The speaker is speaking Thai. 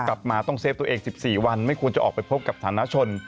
กลับมาต้องเฟฟตัวเอง๑๔วันไม่ควรจะออกไปพบกับฐานชน